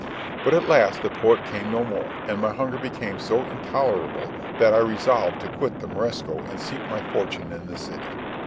But at last the poet came no more, and my hunger became so intolerable, that I resolved to quit the Morisco and seek my fortune in the city.